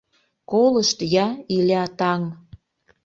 Колышт-я, Иля таҥ...